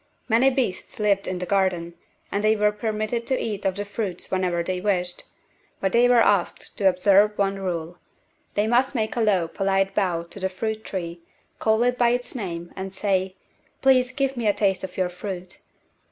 Many beasts lived in the garden and they were permitted to eat of the fruits whenever they wished. But they were asked to observe one rule. They must make a low, polite bow to the fruit tree, call it by its name, and say, "Please give me a taste of your fruit."